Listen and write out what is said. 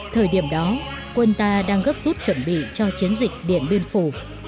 thời điểm đó quân ta đang gấp rút chuẩn bị cho chiến dịch điện biên phủ